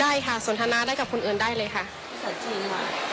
ได้ค่ะสนทนาได้กับคนอื่นได้เลยค่ะ